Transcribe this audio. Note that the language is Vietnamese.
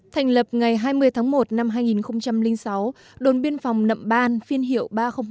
thành lập ngày hai mươi tháng một năm hai nghìn sáu đồn biên phòng nậm ban phiên hiệu ba trăm linh ba